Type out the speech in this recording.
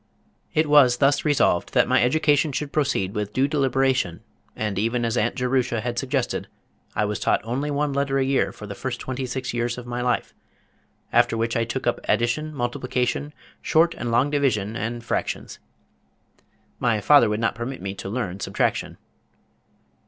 It was thus resolved that my education should proceed with due deliberation and even as Aunt Jerusha had suggested, I was taught only one letter a year for the first twenty six years of my life, after which I took up addition, multiplication, short and long division and fractions. My father would not permit me to learn subtraction.